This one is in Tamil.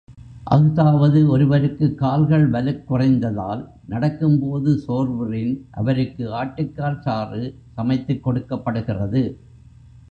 அஃதாவது ஒருவருக்குக் கால்கள் வலுக் குறைந்ததால் நடக்கும் போது சோர்வுறின், அவருக்கு ஆட்டுக் கால் சாறு சமைத்துக் கொடுக்கப்படுகிறது.